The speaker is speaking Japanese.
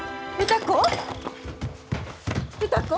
歌子。